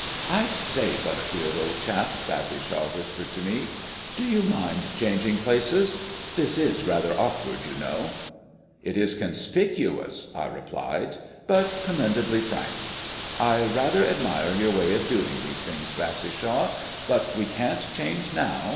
"I say, Butterfield, old chap," Bassishaw whispered to me, "do you mind changing places? This is rather awkward, you know." "It is conspicuous," I replied, "but commendably frank. I rather admire your way of doing these things, Bassishaw. But we can't change now.